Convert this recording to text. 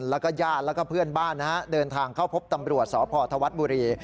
แล้วก็ญาติแล้วก็เพื่อนบ้านนะฮะเดินทางเข้าพบตำรวจสพธวัฒน์บุรี